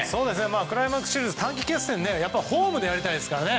クライマックスシリーズ短期決戦はやっぱりホームでやりたいですからね。